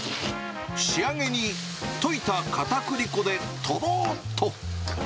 仕上げに溶いたかたくり粉でとろっと。